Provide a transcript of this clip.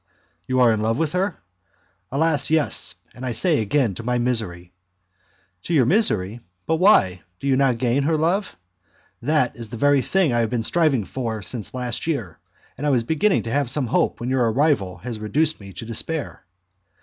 "You are in love with her?" "Alas, yes! and I say, again, to my misery." "To your misery? But why, do not you gain her love?" "That is the very thing I have been striving for since last year, and I was beginning to have some hope when your arrival has reduced me to despair."